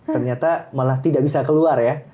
ternyata malah tidak bisa keluar ya